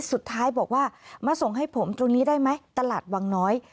สุดท้ายบอกว่ามาส่งให้ผมตรงนี้ได้ไหมตลาดวังน้อย